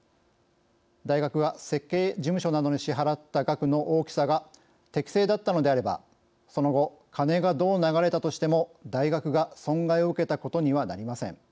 大学が設計事務所などに支払った額の大きさが適正だったのであればその後、金がどう流れたとしても大学が損害を受けたことにはなりません。